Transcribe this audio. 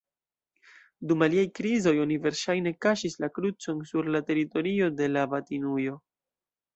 Dum aliaj krizoj oni verŝajne kaŝis la krucon sur la teritorio de la abatinujo.